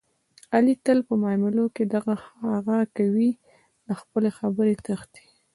علي تل په معاملو کې دغه هغه کوي، له خپلې خبرې تښتي.